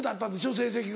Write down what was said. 成績が。